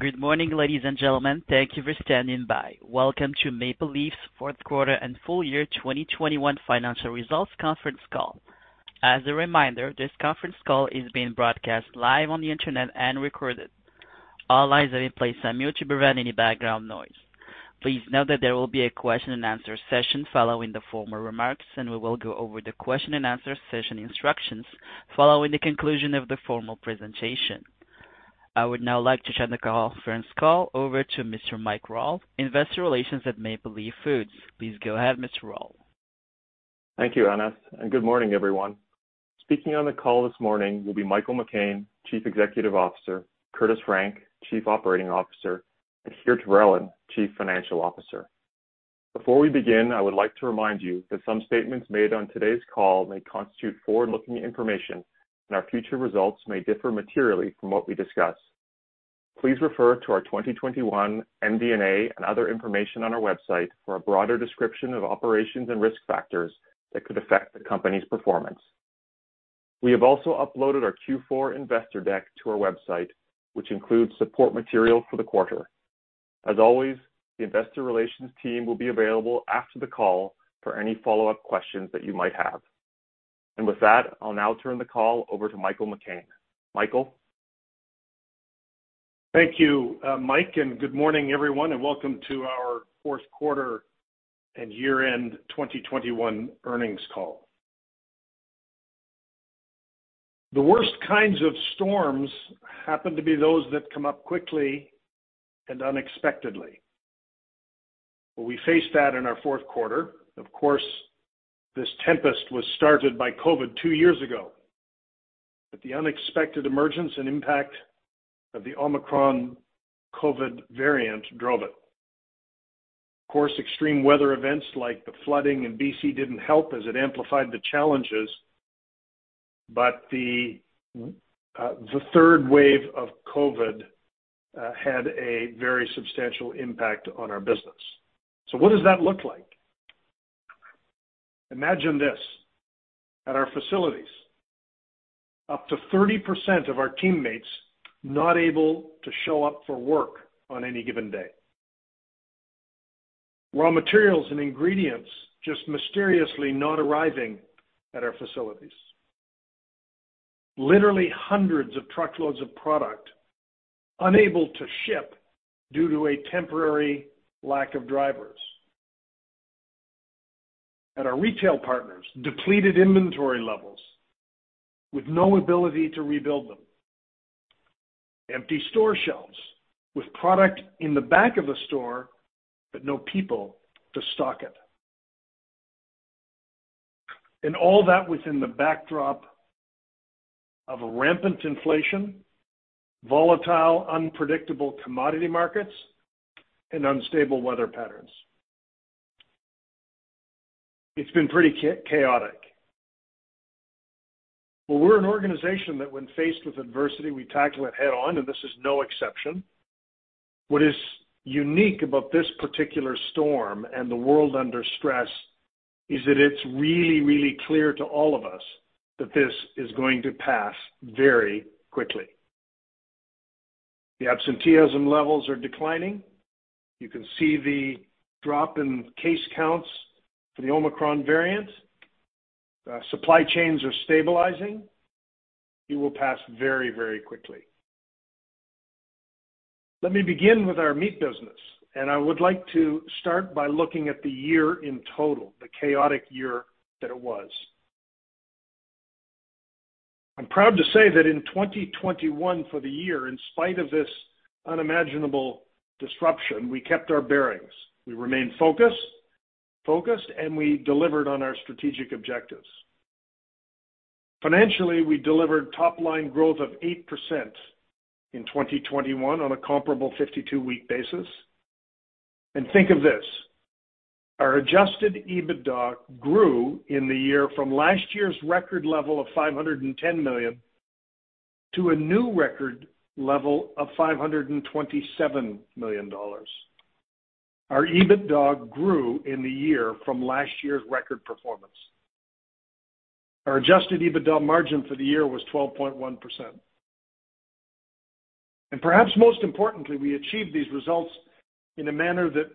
Good morning, ladies and gentlemen. Thank you for standing by. Welcome to Maple Leaf's fourth quarter and full year 2021 financial results conference call. As a reminder, this conference call is being broadcast live on the Internet and recorded. All lines have been placed on mute to prevent any background noise. Please note that there will be a question and answer session following the formal remarks, and we will go over the question and answer session instructions following the conclusion of the formal presentation. I would now like to turn the conference call over to Mr. Mike Rawle, Investor Relations at Maple Leaf Foods. Please go ahead, Mr. Rawle. Thank you, Ernest, and good morning, everyone. Speaking on the call this morning will be Michael McCain, Chief Executive Officer, Curtis Frank, Chief Operating Officer, and Geert Verellen, Chief Financial Officer. Before we begin, I would like to remind you that some statements made on today's call may constitute forward-looking information, and our future results may differ materially from what we discuss. Please refer to our 2021 MD&A and other information on our website for a broader description of operations and risk factors that could affect the company's performance. We have also uploaded our Q4 investor deck to our website, which includes support material for the quarter. As always, the investor relations team will be available after the call for any follow-up questions that you might have. With that, I'll now turn the call over to Michael McCain. Michael? Thank you, Mike, and good morning, everyone, and welcome to our fourth quarter and year-end 2021 earnings call. The worst kinds of storms happen to be those that come up quickly and unexpectedly. Well, we faced that in our fourth quarter. Of course, this tempest was started by COVID two years ago, but the unexpected emergence and impact of the Omicron COVID variant drove it. Of course, extreme weather events like the flooding in B.C. didn't help as it amplified the challenges, but the third wave of COVID had a very substantial impact on our business. So what does that look like? Imagine this. At our facilities, up to 30% of our teammates not able to show up for work on any given day. Raw materials and ingredients just mysteriously not arriving at our facilities. Literally hundreds of truckloads of product unable to ship due to a temporary lack of drivers. At our retail partners, depleted inventory levels with no ability to rebuild them. Empty store shelves with product in the back of a store, but no people to stock it. All that within the backdrop of rampant inflation, volatile, unpredictable commodity markets, and unstable weather patterns. It's been pretty chaotic. Well, we're an organization that when faced with adversity, we tackle it head-on, and this is no exception. What is unique about this particular storm and the world under stress is that it's really, really clear to all of us that this is going to pass very quickly. The absenteeism levels are declining. You can see the drop in case counts for the Omicron variant. Supply chains are stabilizing. It will pass very, very quickly. Let me begin with our meat business, and I would like to start by looking at the year in total, the chaotic year that it was. I'm proud to say that in 2021 for the year, in spite of this unimaginable disruption, we kept our bearings. We remained focused and we delivered on our strategic objectives. Financially, we delivered top-line growth of 8% in 2021 on a comparable 52-week basis. Think of this, our adjusted EBITDA grew in the year from last year's record level of $510 million to a new record level of $527 million. Our EBITDA grew in the year from last year's record performance. Our adjusted EBITDA margin for the year was 12.1%. Perhaps most importantly, we achieved these results in a manner that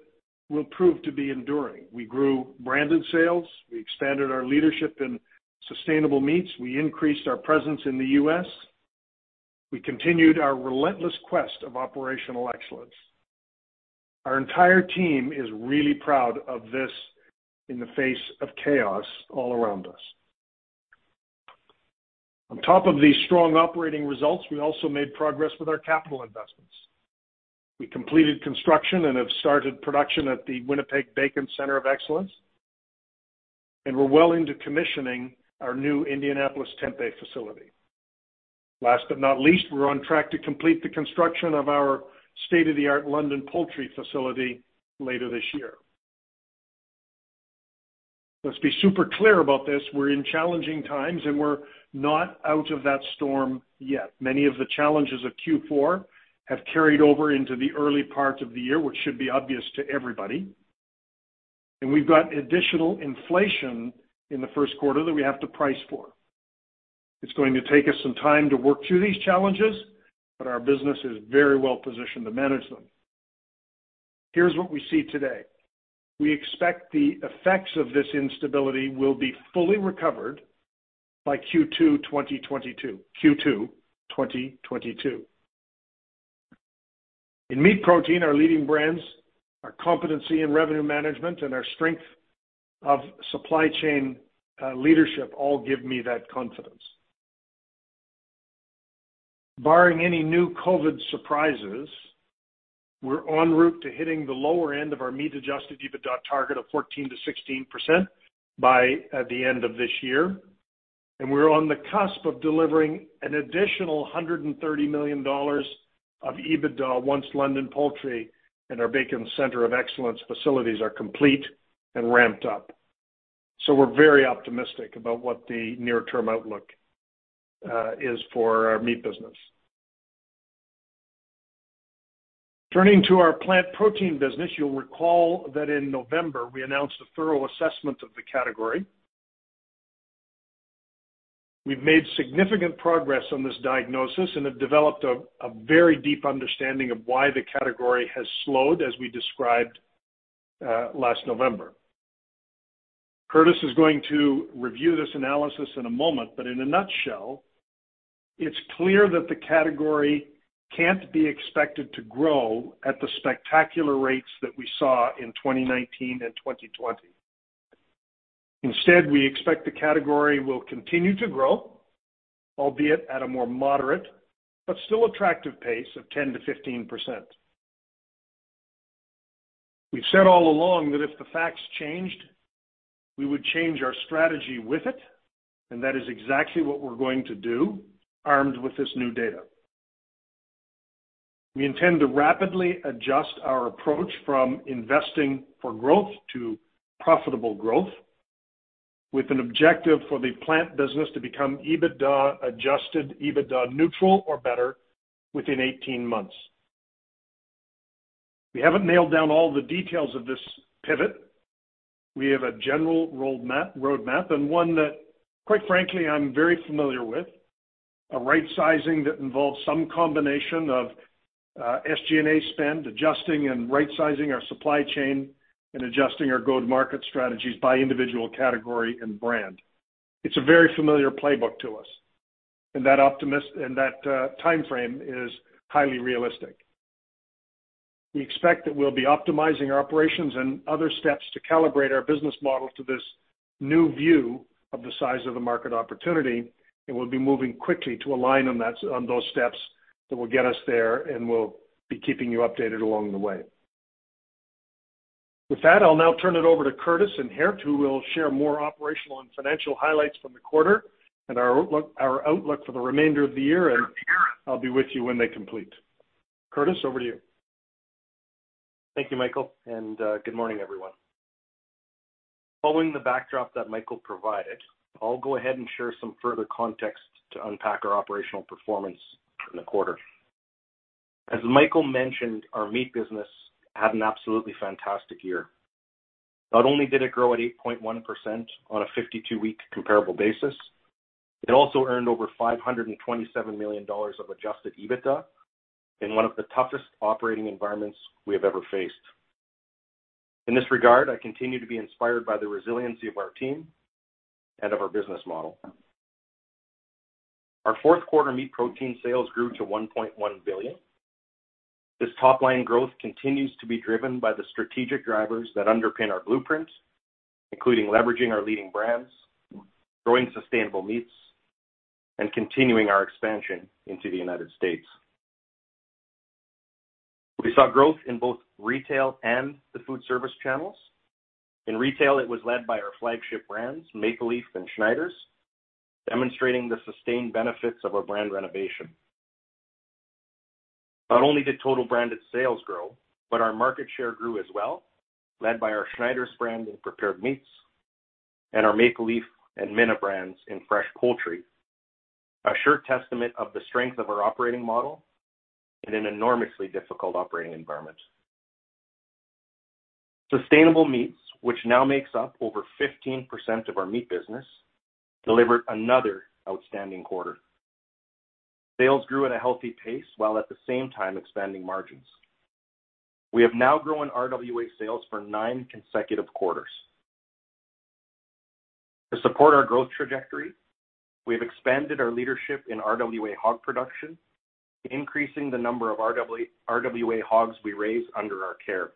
will prove to be enduring. We grew branded sales. We expanded our leadership in Sustainable Meats. We increased our presence in the U.S. We continued our relentless quest of operational excellence. Our entire team is really proud of this in the face of chaos all around us. On top of these strong operating results, we also made progress with our capital investments. We completed construction and have started production at the Winnipeg Bacon Center of Excellence, and we're well into commissioning our new Indianapolis tempeh facility. Last but not least, we're on track to complete the construction of our state-of-the-art London poultry facility later this year. Let's be super clear about this. We're in challenging times, and we're not out of that storm yet. Many of the challenges of Q4 have carried over into the early part of the year, which should be obvious to everybody. We've got additional inflation in the first quarter that we have to price for. It's going to take us some time to work through these challenges, but our business is very well positioned to manage them. Here's what we see today. We expect the effects of this instability will be fully recovered by Q2 2022. In meat protein, our leading brands, our competency in revenue management, and our strength of supply chain leadership all give me that confidence. Barring any new COVID surprises, we're on track to hitting the lower end of our meat-adjusted EBITDA target of 14%-16% by the end of this year. We're on the cusp of delivering an additional $130 million of EBITDA once London Poultry and our Bacon Center of Excellence facilities are complete and ramped up. We're very optimistic about what the near-term outlook is for our meat business. Turning to our plant protein business, you'll recall that in November, we announced a thorough assessment of the category. We've made significant progress on this diagnosis and have developed a very deep understanding of why the category has slowed, as we described last November. Curtis is going to review this analysis in a moment, but in a nutshell, it's clear that the category can't be expected to grow at the spectacular rates that we saw in 2019 and 2020. Instead, we expect the category will continue to grow, albeit at a more moderate but still attractive pace of 10%-15%. We've said all along that if the facts changed, we would change our strategy with it, and that is exactly what we're going to do armed with this new data. We intend to rapidly adjust our approach from investing for growth to profitable growth with an objective for the plant business to become EBITDA, adjusted EBITDA neutral or better within 18 months. We haven't nailed down all the details of this pivot. We have a general roadmap and one that quite frankly, I'm very familiar with, a right sizing that involves some combination of, SG&A spend, adjusting and right sizing our supply chain, and adjusting our go-to-market strategies by individual category and brand. It's a very familiar playbook to us. That timeframe is highly realistic. We expect that we'll be optimizing our operations and other steps to calibrate our business model to this new view of the size of the market opportunity, and we'll be moving quickly to align on that, on those steps that will get us there, and we'll be keeping you updated along the way. With that, I'll now turn it over to Curtis and Geert, who will share more operational and financial highlights from the quarter and our outlook, our outlook for the remainder of the year. I'll be with you when they complete. Curtis, over to you. Thank you, Michael, and good morning, everyone. Following the backdrop that Michael provided, I'll go ahead and share some further context to unpack our operational performance in the quarter. As Michael mentioned, our meat business had an absolutely fantastic year. Not only did it grow at 8.1% on a 52-week comparable basis, it also earned over $527 million of adjusted EBITDA in one of the toughest operating environments we have ever faced. In this regard, I continue to be inspired by the resiliency of our team and of our business model. Our fourth quarter meat protein sales grew to $1.1 billion. This top-line growth continues to be driven by the strategic drivers that underpin our blueprint, including leveraging our leading brands, growing Sustainable Meats, and continuing our expansion into the United States. We saw growth in both retail and the food service channels. In retail, it was led by our flagship brands, Maple Leaf and Schneiders, demonstrating the sustained benefits of our brand renovation. Not only did total branded sales grow, but our market share grew as well, led by our Schneiders brand in prepared meats and our Maple Leaf and Mina brands in fresh poultry. A sure testament of the strength of our operating model in an enormously difficult operating environment. Sustainable Meats, which now makes up over 15% of our meat business, delivered another outstanding quarter. Sales grew at a healthy pace while at the same time expanding margins. We have now grown RWA sales for nine consecutive quarters. To support our growth trajectory, we have expanded our leadership in RWA hog production, increasing the number of RW-RWA hogs we raise under our care.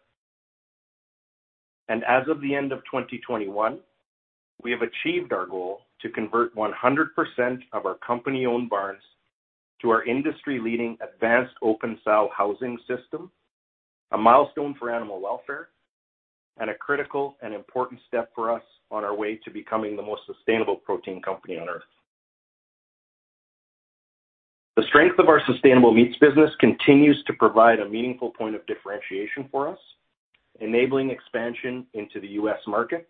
As of the end of 2021, we have achieved our goal to convert 100% of our company-owned barns to our industry-leading Advanced Open Sow Housing System, a milestone for animal welfare and a critical and important step for us on our way to becoming the most sustainable protein company on Earth. The strength of our Sustainable Meats business continues to provide a meaningful point of differentiation for us, enabling expansion into the U.S. market,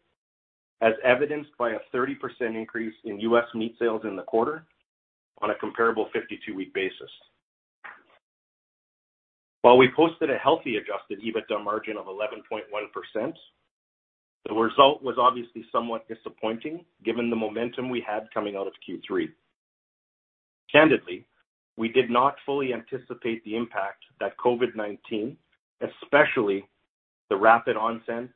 as evidenced by a 30% increase in U.S. meat sales in the quarter on a comparable 52-week basis. While we posted a healthy adjusted EBITDA margin of 11.1%, the result was obviously somewhat disappointing given the momentum we had coming out of Q3. Candidly, we did not fully anticipate the impact that COVID-19, especially the rapid onset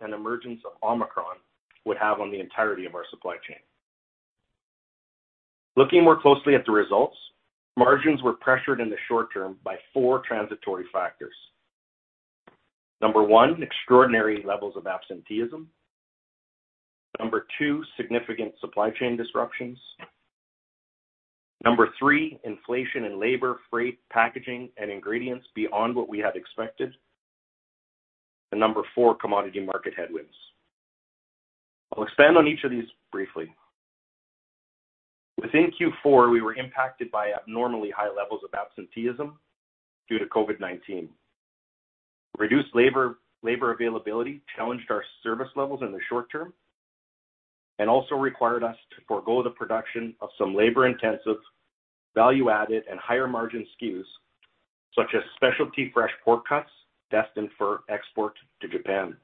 and emergence of Omicron, would have on the entirety of our supply chain. Looking more closely at the results, margins were pressured in the short term by four transitory factors. Number one, extraordinary levels of absenteeism. Number two, significant supply chain disruptions. Number three, inflation in labor, freight, packaging, and ingredients beyond what we had expected. And number four, commodity market headwinds. I'll expand on each of these briefly. Within Q4, we were impacted by abnormally high levels of absenteeism due to COVID-19. Reduced labor availability challenged our service levels in the short term and also required us to forego the production of some labor-intensive, value-added, and higher margin SKUs, such as specialty fresh pork cuts destined for export to Japan.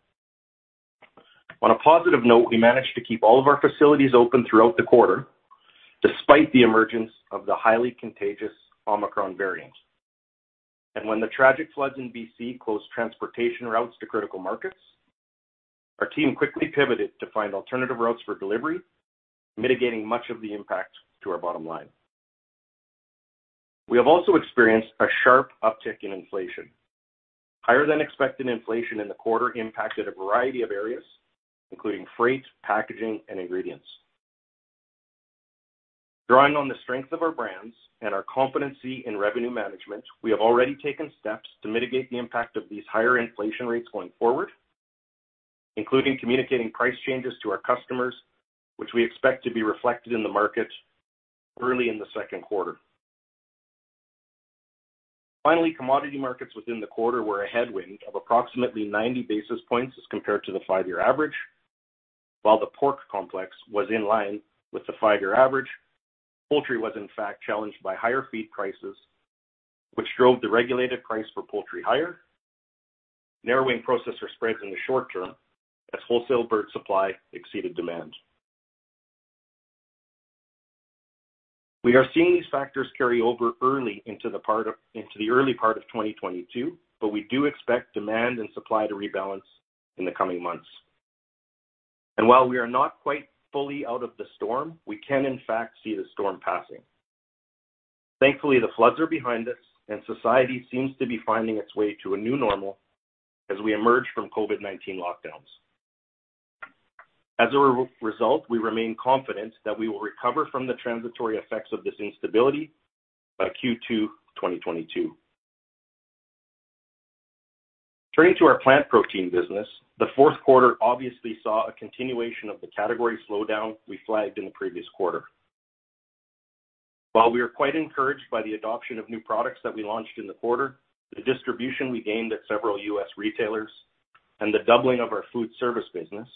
On a positive note, we managed to keep all of our facilities open throughout the quarter despite the emergence of the highly contagious Omicron variant. When the tragic floods in B.C. closed transportation routes to critical markets, our team quickly pivoted to find alternative routes for delivery, mitigating much of the impact to our bottom line. We have also experienced a sharp uptick in inflation. Higher than expected inflation in the quarter impacted a variety of areas, including freight, packaging, and ingredients. Drawing on the strength of our brands and our competency in revenue management, we have already taken steps to mitigate the impact of these higher inflation rates going forward, including communicating price changes to our customers, which we expect to be reflected in the market early in the second quarter. Finally, commodity markets within the quarter were a headwind of approximately 90 basis points as compared to the five-year average. While the pork complex was in line with the five-year average, poultry was in fact challenged by higher feed prices, which drove the regulated price for poultry higher, narrowing processor spreads in the short term as wholesale bird supply exceeded demand. We are seeing these factors carry over into the early part of 2022, but we do expect demand and supply to rebalance in the coming months. While we are not quite fully out of the storm, we can in fact see the storm passing. Thankfully, the floods are behind us, and society seems to be finding its way to a new normal as we emerge from COVID-19 lockdowns. As a result, we remain confident that we will recover from the transitory effects of this instability by Q2 2022. Turning to our plant protein business, the fourth quarter obviously saw a continuation of the category slowdown we flagged in the previous quarter. While we are quite encouraged by the adoption of new products that we launched in the quarter, the distribution we gained at several U.S. retailers and the doubling of our food service business,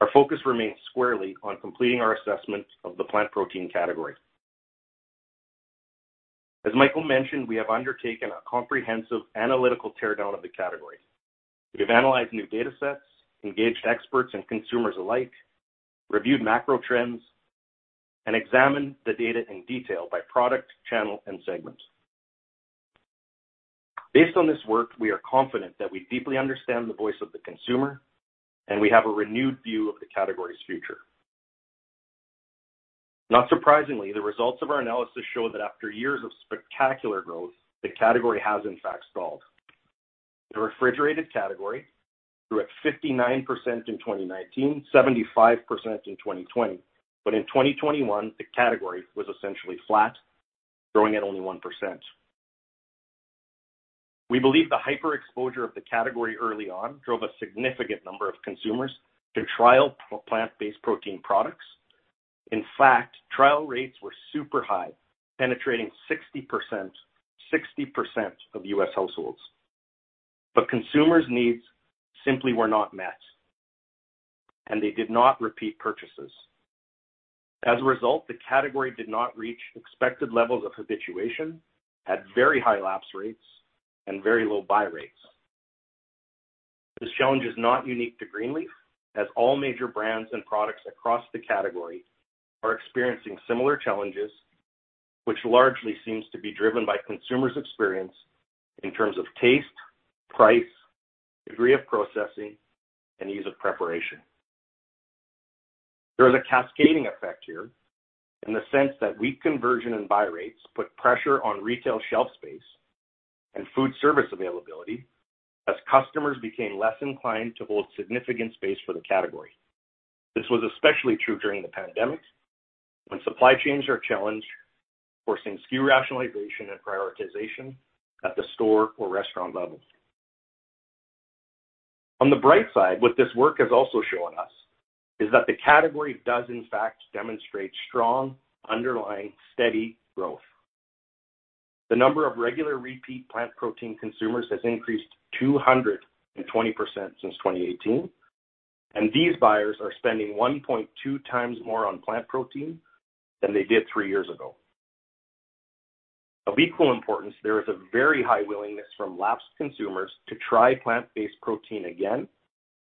our focus remains squarely on completing our assessment of the plant protein category. As Michael mentioned, we have undertaken a comprehensive analytical teardown of the category. We have analyzed new data sets, engaged experts and consumers alike, reviewed macro trends, and examined the data in detail by product, channel, and segment. Based on this work, we are confident that we deeply understand the voice of the consumer, and we have a renewed view of the category's future. Not surprisingly, the results of our analysis show that after years of spectacular growth, the category has in fact stalled. The refrigerated category grew at 59% in 2019, 75% in 2020, but in 2021 the category was essentially flat, growing at only 1%. We believe the hyper exposure of the category early on drove a significant number of consumers to trial plant-based protein products. In fact, trial rates were super high, penetrating 60% of U.S. households. Consumers' needs simply were not met, and they did not repeat purchases. As a result, the category did not reach expected levels of habituation, had very high lapse rates and very low buy rates. This challenge is not unique to Greenleaf, as all major brands and products across the category are experiencing similar challenges, which largely seems to be driven by consumers' experience in terms of taste, price, degree of processing, and ease of preparation. There is a cascading effect here in the sense that weak conversion and buy rates put pressure on retail shelf space and food service availability as customers became less inclined to hold significant space for the category. This was especially true during the pandemic when supply chains are challenged, forcing SKU rationalization and prioritization at the store or restaurant level. On the bright side, what this work has also shown us is that the category does in fact demonstrate strong, underlying, steady growth. The number of regular repeat plant protein consumers has increased 220% since 2018. These buyers are spending 1.2x more on plant protein than they did three years ago. Of equal importance, there is a very high willingness from lapsed consumers to try plant-based protein again,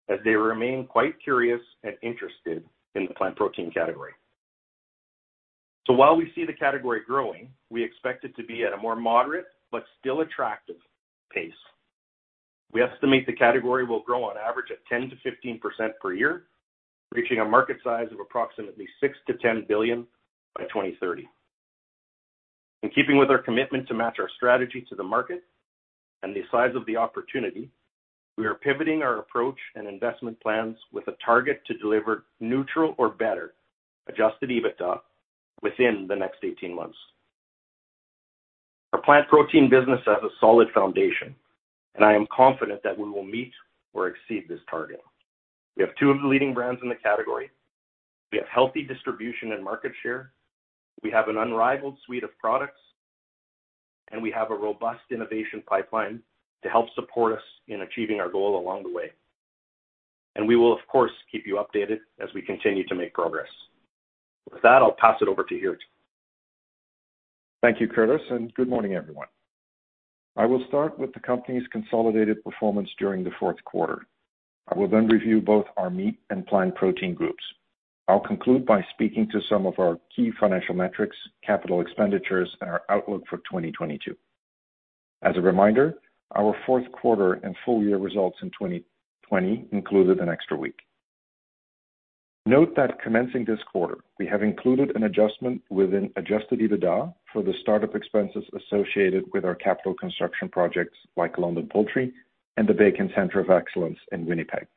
as they remain quite curious and interested in the plant protein category. While we see the category growing, we expect it to be at a more moderate but still attractive pace. We estimate the category will grow on average at 10%-15% per year, reaching a market size of approximately $6 billion-$10 billion by 2030. In keeping with our commitment to match our strategy to the market and the size of the opportunity, we are pivoting our approach and investment plans with a target to deliver neutral or better adjusted EBITDA within the next 18 months. Our plant protein business has a solid foundation, and I am confident that we will meet or exceed this target. We have two of the leading brands in the category, we have healthy distribution and market share, we have an unrivaled suite of products, and we have a robust innovation pipeline to help support us in achieving our goal along the way. We will of course keep you updated as we continue to make progress. With that, I'll pass it over to Geert. Thank you, Curtis, and good morning, everyone. I will start with the company's consolidated performance during the fourth quarter. I will then review both our meat and plant protein groups. I'll conclude by speaking to some of our key financial metrics, capital expenditures, and our outlook for 2022. As a reminder, our fourth quarter and full year results in 2020 included an extra week. Note that commencing this quarter, we have included an adjustment within adjusted EBITDA for the start-up expenses associated with our capital construction projects like London Poultry and the Bacon Center of Excellence in Winnipeg.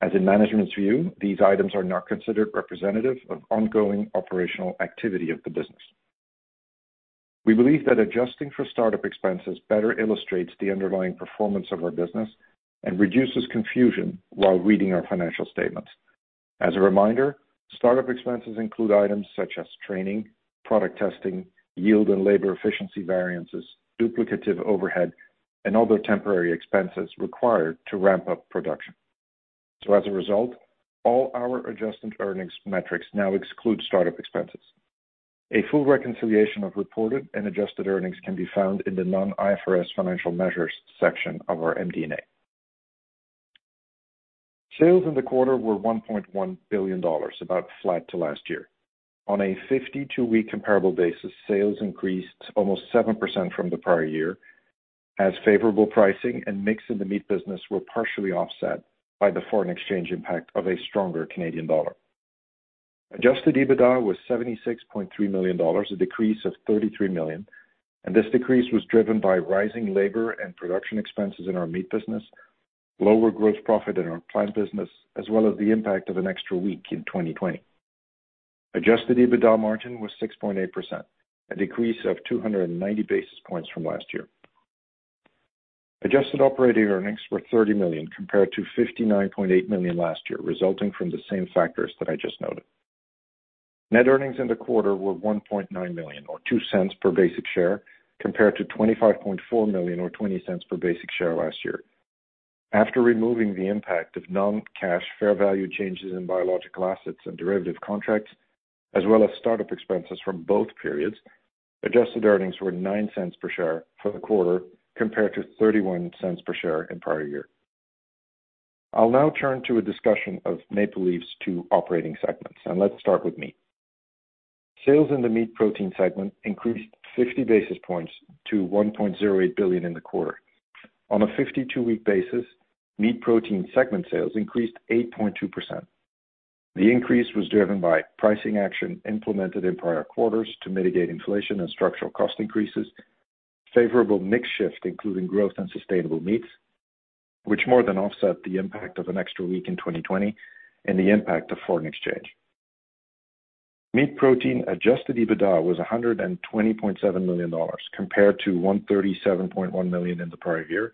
As in management's view, these items are not considered representative of ongoing operational activity of the business. We believe that adjusting for start-up expenses better illustrates the underlying performance of our business and reduces confusion while reading our financial statements. As a reminder, start-up expenses include items such as training, product testing, yield and labor efficiency variances, duplicative overhead, and other temporary expenses required to ramp up production. As a result, all our adjustment earnings metrics now exclude start-up expenses. A full reconciliation of reported and adjusted earnings can be found in the non-IFRS financial measures section of our MD&A. Sales in the quarter were $1.1 billion, about flat to last year. On a 52-week comparable basis, sales increased almost 7% from the prior year, as favorable pricing and mix in the meat business were partially offset by the foreign exchange impact of a stronger Canadian dollar. Adjusted EBITDA was $76.3 million, a decrease of $33 million, and this decrease was driven by rising labor and production expenses in our meat business, lower gross profit in our plant business, as well as the impact of an extra week in 2020. Adjusted EBITDA margin was 6.8%, a decrease of 290 basis points from last year. Adjusted operating earnings were 30 million compared to $59.8 million last year, resulting from the same factors that I just noted. Net earnings in the quarter were $0.9 million, or $0.02 per basic share, compared to $25.4 million or $0.02 per basic share last year. After removing the impact of non-cash fair value changes in biological assets and derivative contracts, as well as start-up expenses from both periods, adjusted earnings were $0.09 per share for the quarter compared to $0.31 per share in prior year. I'll now turn to a discussion of Maple Leaf's two operating segments, and let's start with meat. Sales in the meat protein segment increased 50 basis points to $1.08 billion in the quarter. On a 52-week basis, meat protein segment sales increased 8.2%. The increase was driven by pricing action implemented in prior quarters to mitigate inflation and structural cost increases, favorable mix shift, including growth in Sustainable Meats, which more than offset the impact of an extra week in 2020 and the impact of foreign exchange. Meat protein adjusted EBITDA was $120.7 million, compared to $137.1 million in the prior year,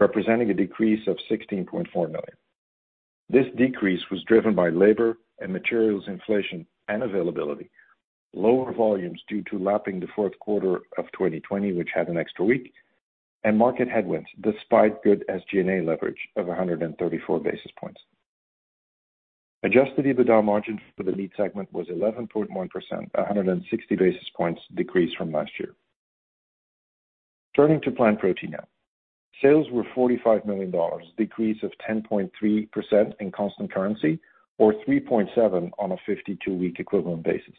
representing a decrease of $16.4 million. This decrease was driven by labor and materials inflation and availability, lower volumes due to lapping the fourth quarter of 2020, which had an extra week, and market headwinds, despite good SG&A leverage of 134 basis points. Adjusted EBITDA margin for the meat segment was 11.1%, 160 basis points decrease from last year. Turning to plant protein now. Sales were $45 million, decrease of 10.3% in constant currency, or 3.7 on a 52-week equivalent basis.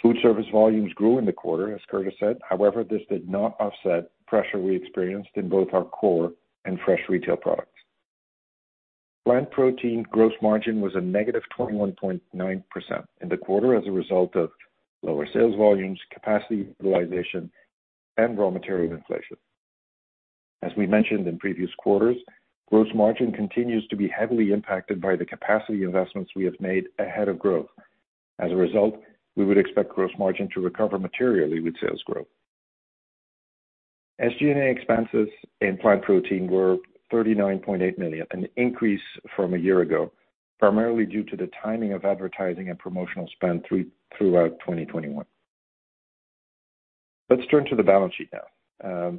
Food service volumes grew in the quarter, as Curtis said. However, this did not offset pressure we experienced in both our core and fresh retail products. Plant protein gross margin was a negative 21.9% in the quarter as a result of lower sales volumes, capacity utilization, and raw material inflation. As we mentioned in previous quarters, gross margin continues to be heavily impacted by the capacity investments we have made ahead of growth. As a result, we would expect gross margin to recover materially with sales growth. SG&A expenses in plant protein were $39.8 million, an increase from a year ago, primarily due to the timing of advertising and promotional spend throughout 2021. Let's turn to the balance sheet now,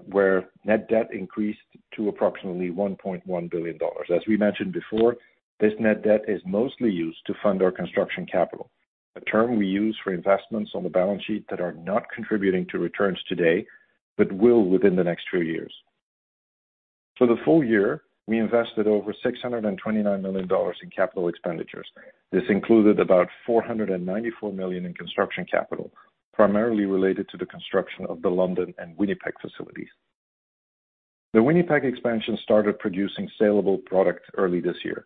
where net debt increased to approximately $1.1 billion. As we mentioned before, this net debt is mostly used to fund our Construction Capital, a term we use for investments on the balance sheet that are not contributing to returns today but will within the next few years. For the full year, we invested over $629 million in capital expenditures. This included about $494 million in Construction Capital, primarily related to the construction of the London and Winnipeg facilities. The Winnipeg expansion started producing salable product early this year.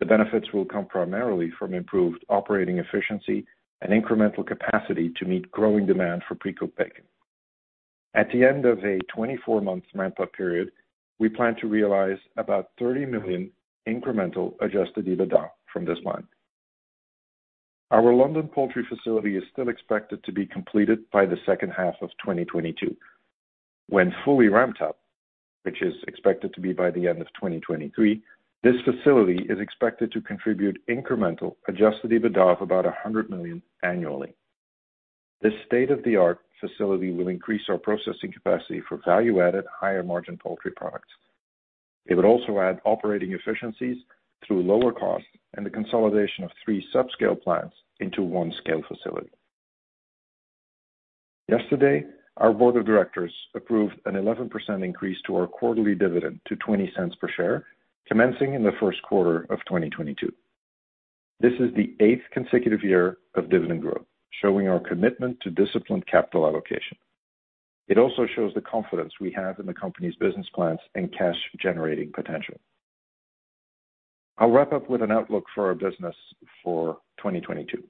The benefits will come primarily from improved operating efficiency and incremental capacity to meet growing demand for pre-cooked bacon. At the end of a 24-month ramp-up period, we plan to realize about $30 million incremental adjusted EBITDA from this line. Our London poultry facility is still expected to be completed by the second half of 2022. When fully ramped up, which is expected to be by the end of 2023, this facility is expected to contribute incremental adjusted EBITDA of about $100 million annually. This state-of-the-art facility will increase our processing capacity for value-added higher-margin poultry products. It would also add operating efficiencies through lower costs and the consolidation of three subscale plants into one scale facility. Yesterday, our board of directors approved an 11% increase to our quarterly dividend to $0.20 per share, commencing in the first quarter of 2022. This is the eighth consecutive year of dividend growth, showing our commitment to disciplined capital allocation. It also shows the confidence we have in the company's business plans and cash-generating potential. I'll wrap up with an outlook for our business for 2022.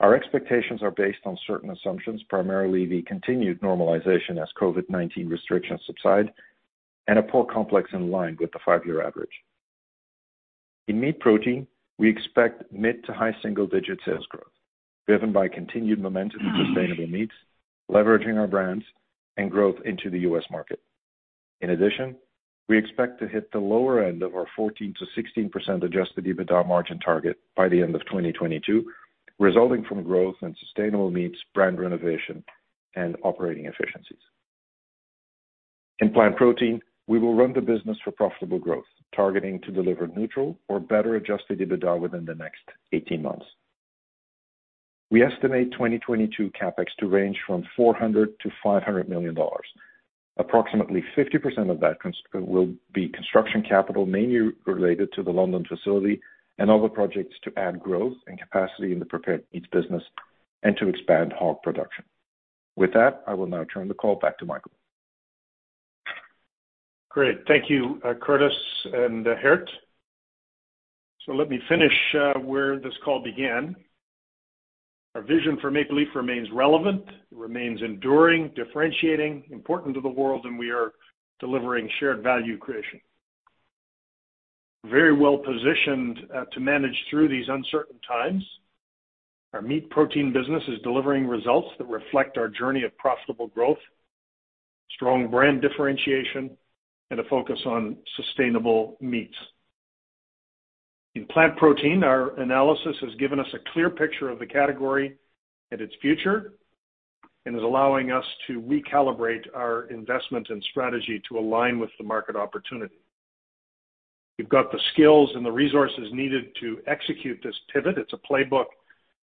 Our expectations are based on certain assumptions, primarily the continued normalization as COVID-19 restrictions subside and a pork complex in line with the 5-year average. In meat protein, we expect mid-to-high single-digit sales growth, driven by continued momentum in Sustainable Meats, leveraging our brands, and growth into the U.S. market. In addition, we expect to hit the lower end of our 14%-16% adjusted EBITDA margin target by the end of 2022, resulting from growth and Sustainable Meats brand renovation and operating efficiencies. In plant protein, we will run the business for profitable growth, targeting to deliver neutral or better adjusted EBITDA within the next 18 months. We estimate 2022 CapEx to range from $400 million-$500 million. Approximately 50% of that will be Construction Capital, mainly related to the London facility and other projects to add growth and capacity in the prepared meats business and to expand hog production. With that, I will now turn the call back to Michael. Great. Thank you, Curtis and Geert. Let me finish where this call began. Our vision for Maple Leaf remains relevant, remains enduring, differentiating, important to the world, and we are delivering shared value creation. Very well-positioned to manage through these uncertain times. Our meat protein business is delivering results that reflect our journey of profitable growth, strong brand differentiation, and a focus on Sustainable Meats. In plant protein, our analysis has given us a clear picture of the category and its future and is allowing us to recalibrate our investment and strategy to align with the market opportunity. We've got the skills and the resources needed to execute this pivot. It's a playbook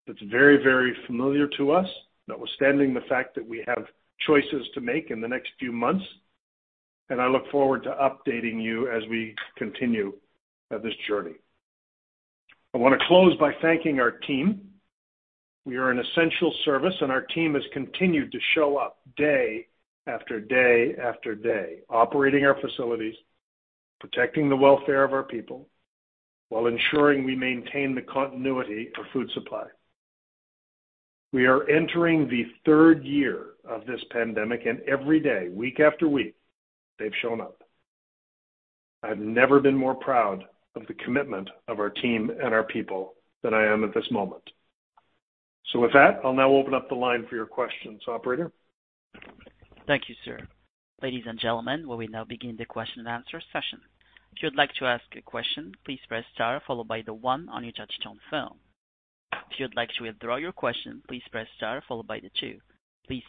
that's very, very familiar to us, notwithstanding the fact that we have choices to make in the next few months, and I look forward to updating you as we continue this journey. I want to close by thanking our team. We are an essential service and our team has continued to show up day after day after day, operating our facilities, protecting the welfare of our people while ensuring we maintain the continuity of food supply. We are entering the third year of this pandemic, and every day, week after week, they've shown up. I've never been more proud of the commitment of our team and our people than I am at this moment. With that, I'll now open up the line for your questions, operator. Thank you, sir. Ladies and gentlemen, we will now begin the question and answer session. Please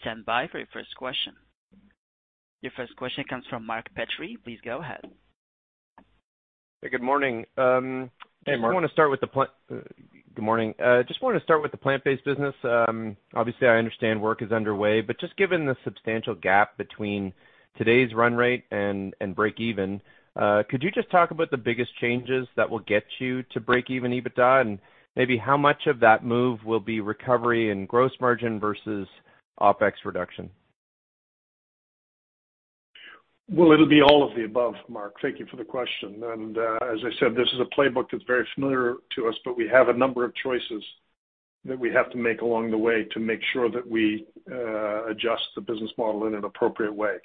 stand by for your first question. Your first question comes from Mark Petrie. Please go ahead. Good morning. Hey, Mark. Good morning. Just wanted to start with the plant-based business. Obviously, I understand work is underway, but just given the substantial gap between today's run rate and breakeven, could you just talk about the biggest changes that will get you to breakeven EBITDA and maybe how much of that move will be recovery and gross margin versus OpEx reduction? Well, it'll be all of the above, Mark. Thank you for the question. As I said, this is a playbook that's very familiar to us, but we have a number of choices that we have to make along the way to make sure that we adjust the business model in an appropriate way.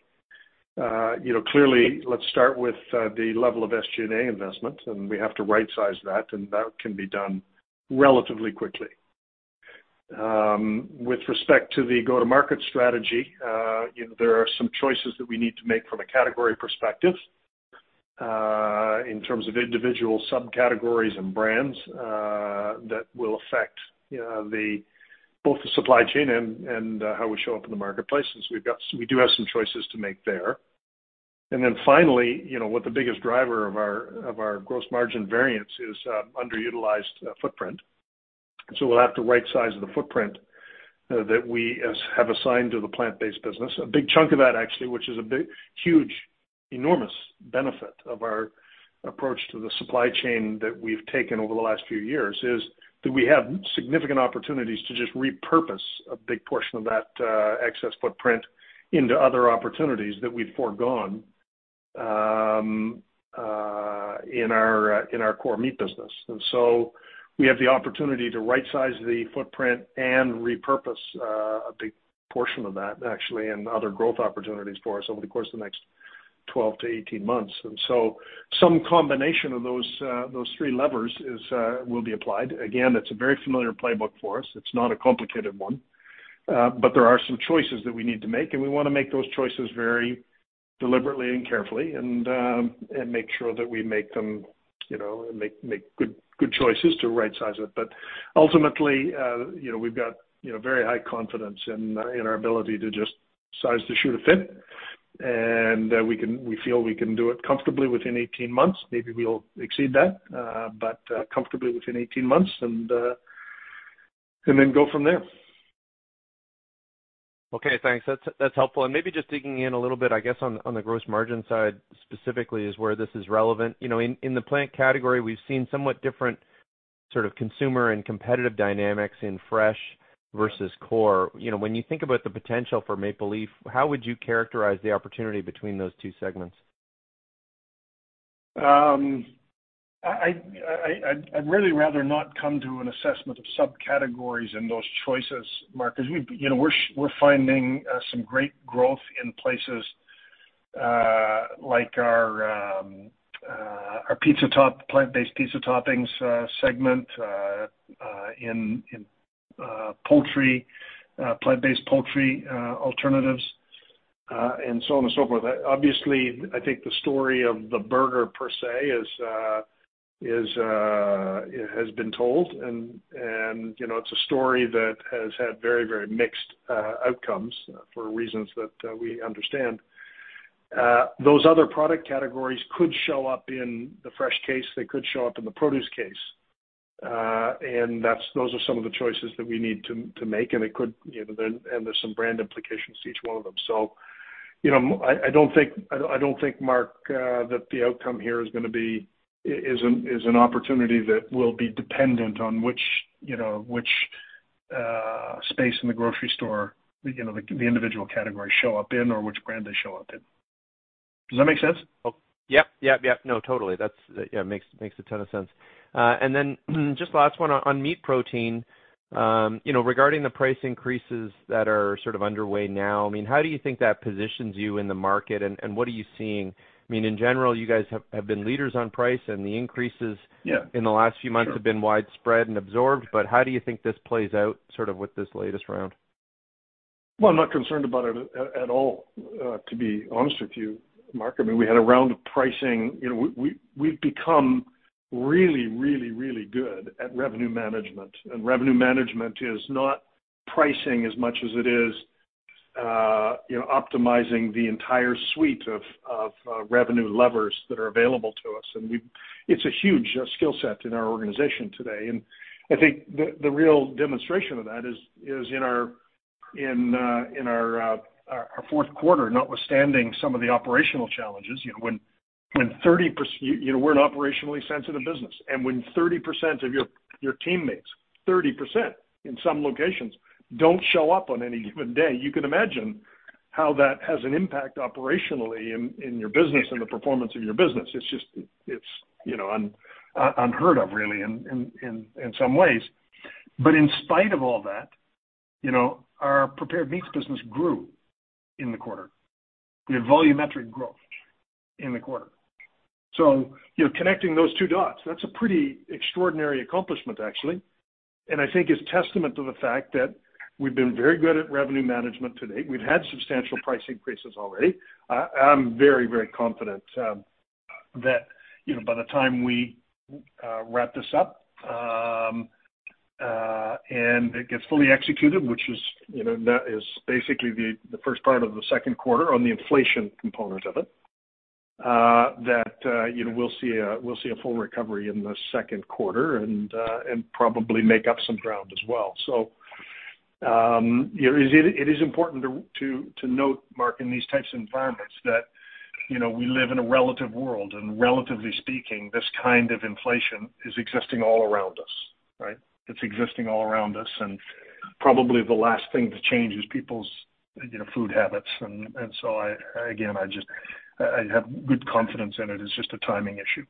You know, clearly, let's start with the level of SG&A investment, and we have to rightsize that, and that can be done relatively quickly. With respect to the go-to-market strategy, you know, there are some choices that we need to make from a category perspective. In terms of individual subcategories and brands, that will affect, you know, both the supply chain and how we show up in the marketplace since we do have some choices to make there. Finally, you know, what the biggest driver of our gross margin variance is underutilized footprint. We'll have to right size the footprint that we have assigned to the plant-based business. A big chunk of that actually, which is a big, huge, enormous benefit of our approach to the supply chain that we've taken over the last few years, is that we have significant opportunities to just repurpose a big portion of that excess footprint into other opportunities that we'd foregone in our core meat business. We have the opportunity to right size the footprint and repurpose a big portion of that actually, and other growth opportunities for us over the course of the next 12-18 months. Some combination of those three levers will be applied. Again, it's a very familiar playbook for us. It's not a complicated one. There are some choices that we need to make, and we wanna make those choices very deliberately and carefully and make sure that we make them, you know, make good choices to rightsize it. Ultimately, you know, we've got, you know, very high confidence in our ability to just size the shoe to fit. We feel we can do it comfortably within 18 months. Maybe we'll exceed that, but comfortably within 18 months and then go from there. Okay, thanks. That's helpful. Maybe just digging in a little bit, I guess, on the gross margin side specifically is where this is relevant. You know, in the plant category, we've seen somewhat different sort of consumer and competitive dynamics in fresh versus core. You know, when you think about the potential for Maple Leaf, how would you characterize the opportunity between those two segments? I'd really rather not come to an assessment of subcategories in those choices, Mark, because we, you know, we're finding some great growth in places like our plant-based pizza toppings segment in poultry plant-based poultry alternatives and so on and so forth. Obviously, I think the story of the burger per se has been told and you know, it's a story that has had very, very mixed outcomes for reasons that we understand. Those other product categories could show up in the fresh case. They could show up in the produce case. And those are some of the choices that we need to make. It could, you know, then. There's some brand implications to each one of them. You know, I don't think, Mark, that the outcome here is an opportunity that will be dependent on which, you know, space in the grocery store, you know, the individual categories show up in or which brand they show up in. Does that make sense? Yep. No, totally. That's, yeah, makes a ton of sense. Just last one on meat protein. You know, regarding the price increases that are sort of underway now, I mean, how do you think that positions you in the market and what are you seeing? I mean, in general, you guys have been leaders on price and the increases- Yeah. Inflation in the last few months have been widespread and absorbed. How do you think this plays out sort of with this latest round? Well, I'm not concerned about it at all, to be honest with you, Mark. I mean, we had a round of pricing. You know, we've become really good at revenue management. Revenue management is not pricing as much as it is, you know, optimizing the entire suite of revenue levers that are available to us. It's a huge skill set in our organization today. I think the real demonstration of that is in our fourth quarter, notwithstanding some of the operational challenges, you know, when 30%, you know, we're an operationally sensitive business. When 30% of your teammates, 30% in some locations don't show up on any given day, you can imagine how that has an impact operationally in your business and the performance of your business. It's just, it's you know, unheard of really in some ways. In spite of all that, you know, our prepared meats business grew in the quarter. We had volumetric growth in the quarter. You know, connecting those two dots, that's a pretty extraordinary accomplishment actually. I think is testament to the fact that we've been very good at revenue management to date. We've had substantial price increases already. I'm very, very confident that, you know, by the time we wrap this up and it gets fully executed, which is, you know, that is basically the first part of the second quarter on the inflation component of it, that, you know, we'll see a full recovery in the second quarter and probably make up some ground as well. You know, it is important to note, Mark, in these types of environments that, you know, we live in a relative world, and relatively speaking, this kind of inflation is existing all around us, right? It's existing all around us and probably the last thing to change is people's, you know, food habits. I, again, just have good confidence in it. It's just a timing issue.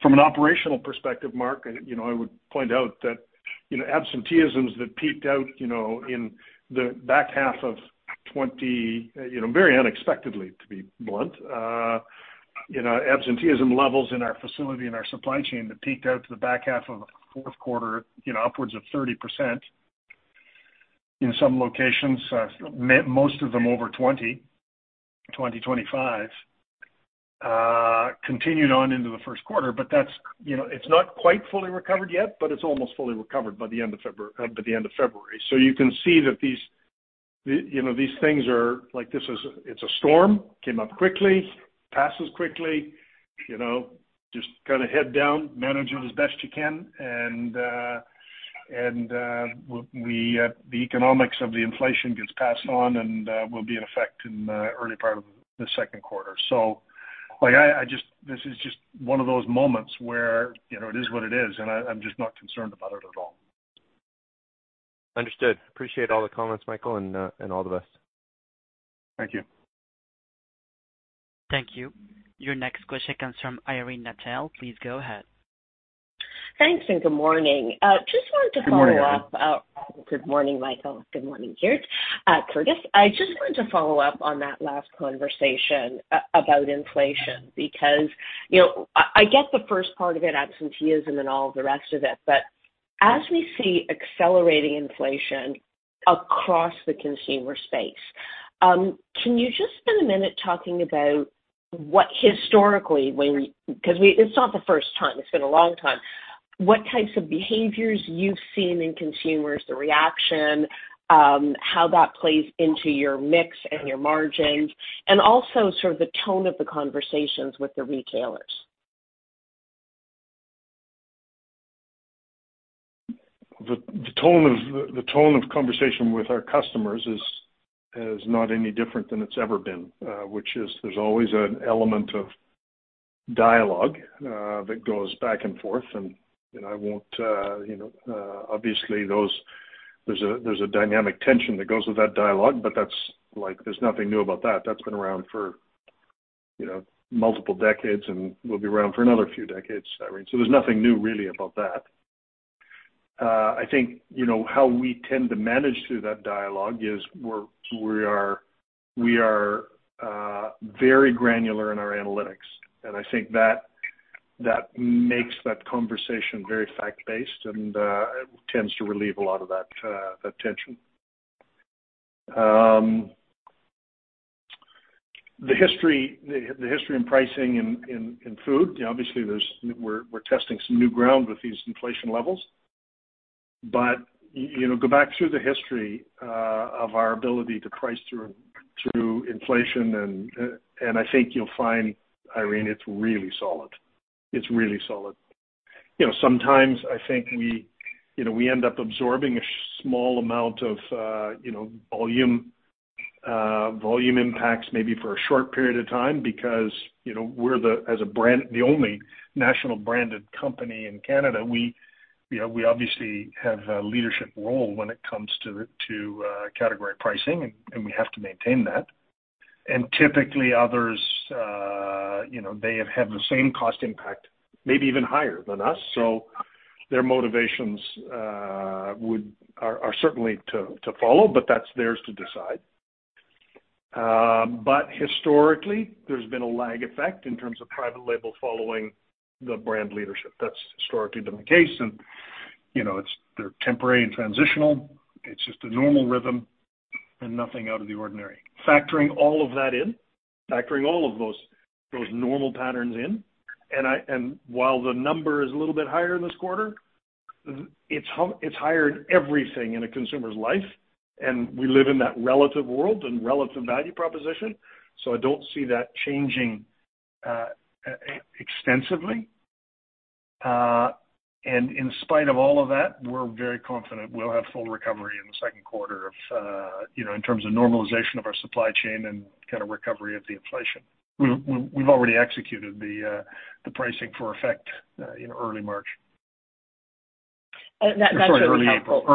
From an operational perspective, Mark, you know, I would point out that, you know, absenteeism that peaked out, you know, in the back half of 2020, you know, very unexpectedly, to be blunt. You know, absenteeism levels in our facility and our supply chain that peaked out to the back half of the fourth quarter, you know, upwards of 30% in some locations, most of them over 20-25%, continued on into the first quarter, but that's, you know, it's not quite fully recovered yet, but it's almost fully recovered by the end of February, up to the end of February. You can see that these, you know, these things are like this is a storm, came up quickly, passes quickly, you know, just kind of head down, manage it as best you can. The economics of the inflation gets passed on and will be in effect in early part of the second quarter. Like, I just, this is just one of those moments where, you know, it is what it is, and I'm just not concerned about it at all. Understood. Appreciate all the comments, Michael, and all the best. Thank you. Thank you. Your next question comes from Irene Nattel. Please go ahead. Thanks, and good morning. Just wanted to follow up- Good morning. Good morning, Michael. Good morning, Geert, Curtis. I just wanted to follow up on that last conversation about inflation because, you know, I get the first part of it, absenteeism and all the rest of it. But as we see accelerating inflation across the consumer space, can you just spend a minute talking about what historically it's not the first time, it's been a long time, what types of behaviors you've seen in consumers, the reaction, how that plays into your mix and your margins, and also sort of the tone of the conversations with the retailers? The tone of conversation with our customers is not any different than it's ever been, which is there's always an element of dialogue that goes back and forth. You know, obviously, there's a dynamic tension that goes with that dialogue, but that's like, there's nothing new about that. That's been around for multiple decades and will be around for another few decades, Irene. There's nothing new really about that. I think how we tend to manage through that dialogue is we are very granular in our analytics, and I think that makes that conversation very fact-based and tends to relieve a lot of that tension. The history in pricing in food, you know, obviously, we're testing some new ground with these inflation levels. You know, go back through the history of our ability to price through inflation and I think you'll find, Irene, it's really solid. It's really solid. You know, sometimes I think we, you know, we end up absorbing a small amount of, you know, volume impacts maybe for a short period of time because, you know, we're, as a brand, the only national branded company in Canada, we, you know, we obviously have a leadership role when it comes to category pricing, and we have to maintain that. Typically others, you know, they have had the same cost impact, maybe even higher than us. Their motivations are certainly to follow, but that's theirs to decide. Historically, there's been a lag effect in terms of private label following the brand leadership. That's historically been the case and, you know, they're temporary and transitional. It's just a normal rhythm and nothing out of the ordinary. Factoring all of that in, factoring all of those normal patterns in, and while the number is a little bit higher this quarter, it's higher in everything in a consumer's life, and we live in that relative world and relative value proposition, so I don't see that changing extensively. In spite of all of that, we're very confident we'll have full recovery in the second quarter in terms of normalization of our supply chain and kind of recovery of the inflation. We've already executed the pricing in effect in early March. That's really helpful- I'm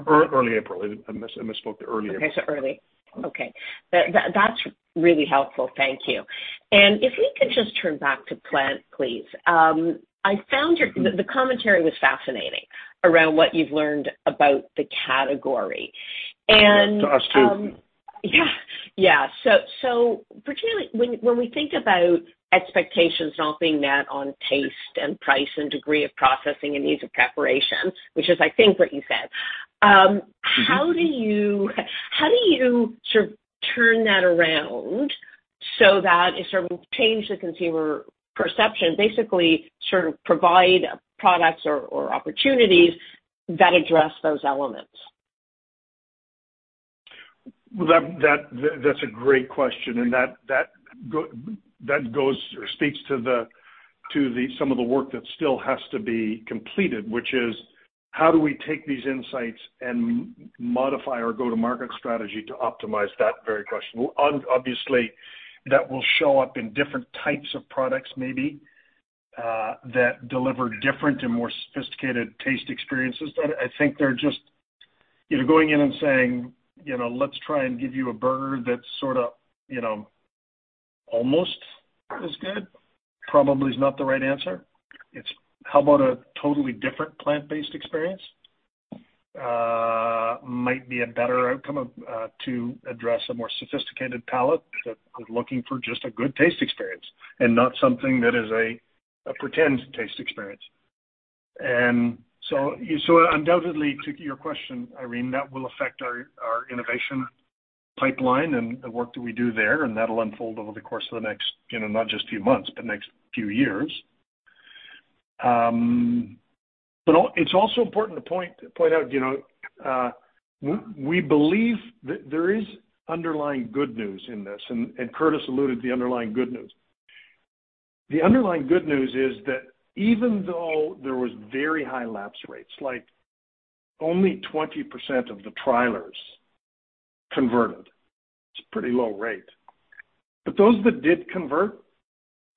sorry, early April. I misspoke. Early April. Okay. That's really helpful. Thank you. If we could just turn back to plant, please. I found your- Mm-hmm. -the commentary was fascinating around what you've learned about the category. Yeah. To us, too. Particularly when we think about expectations not being met on taste and price and degree of processing and ease of preparation, which is, I think, what you said. Mm-hmm. How do you sort of turn that around so that it sort of change the consumer perception, basically sort of provide products or opportunities that address those elements? Well, that's a great question. That goes or speaks to some of the work that still has to be completed, which is how do we take these insights and modify our go-to-market strategy to optimize that very question. Obviously, that will show up in different types of products, maybe, that deliver different and more sophisticated taste experiences. I think they're just, you know, going in and saying, you know, "Let's try and give you a burger that's sort of, you know, almost as good," probably is not the right answer. It's how about a totally different plant-based experience might be a better outcome to address a more sophisticated palate that is looking for just a good taste experience and not something that is a pretend taste experience. So undoubtedly to your question, Irene, that will affect our innovation pipeline and the work that we do there, and that'll unfold over the course of the next, you know, not just few months, but next few years. It's also important to point out, you know, we believe that there is underlying good news in this, and Curtis alluded to the underlying good news. The underlying good news is that even though there was very high lapse rates, like only 20% of the trialers converted, it's pretty low rate. Those that did convert